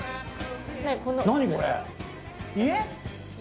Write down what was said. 何これ家？